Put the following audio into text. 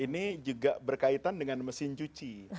ini juga berkaitan dengan mesin cuci